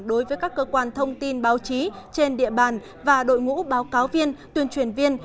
đối với các cơ quan thông tin báo chí trên địa bàn và đội ngũ báo cáo viên tuyên truyền viên